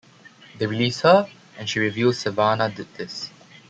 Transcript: They release her and she reveals Sivana did this.